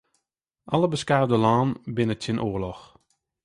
Alle beskaafde lannen binne tsjin oarloch.